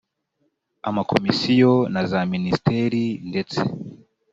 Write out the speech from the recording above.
amakomisiyo na za minisiteri ndetse